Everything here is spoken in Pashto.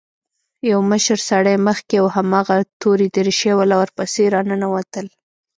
يو مشر سړى مخکې او هماغه تورې دريشۍ والا ورپسې راننوتل.